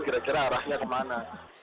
kira kira arahnya kemana